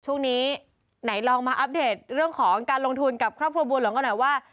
ช่วงนี้ไหนลองมาอัปเดตเรื่องของการลงทุนกับครอบครัวบัวหลวงกันหน่อยว่า